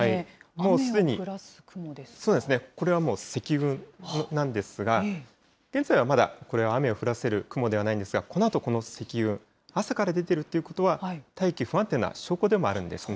もうすでにせき雲なんですが、現在はまだこれは雨を降らせる雲ではないんですが、このあとこの積雲、朝から出てるということは、大気、不安定な証拠でもあるんですね。